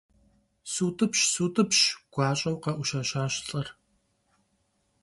Sut'ıpş, sut'ıpş, - guaş'eu khe'uşeşaş lh'ır.